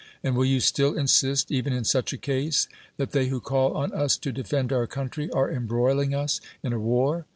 And Avill you still insist, even in such a case, that they who call on us to defend our country are enihroiliiuj: us in a war?